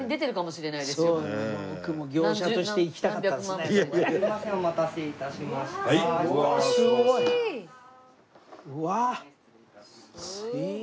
すごーい。